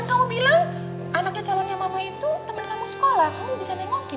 kan kamu bilang anaknya calonnya mama itu temen kamu sekolah